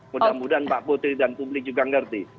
mudah mudahan pak putri dan publik juga mengerti